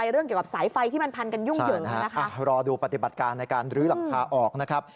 รอดูปฏิบัติการในการหรือหลังคาออกนะครับ